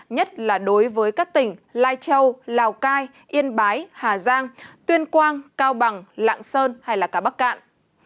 nhất là đối với các tỉnh lai châu lào cai yên bái hà giang tuyên quang cao bằng lạng sơn hay cả bắc cạn